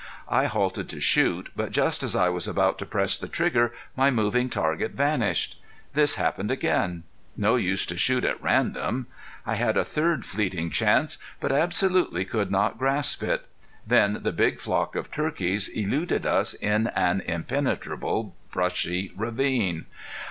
I halted to shoot, but just as I was about to press the trigger, my moving target vanished. This happened again. No use to shoot at random! I had a third fleeting chance, but absolutely could not grasp it. Then the big flock of turkeys eluded us in an impenetrable, brushy ravine.